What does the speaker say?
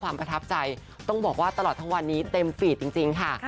ประทับใจต้องบอกว่าตลอดทั้งวันนี้เต็มฟีดจริงค่ะ